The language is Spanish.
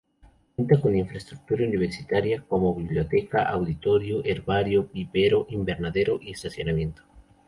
Cuenta con infraestructura universitaria como biblioteca, auditorio, herbario, vivero, invernadero y estacionamiento.